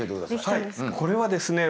はいこれはですね